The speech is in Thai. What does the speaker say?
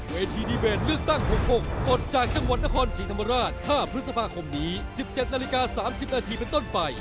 เวทีดีเบตเลือกตั้ง๖๖ปลดจากจังหวัดนครศรีธรรมราช๕พฤษภาคมนี้๑๗นาฬิกา๓๐นาทีเป็นต้นไป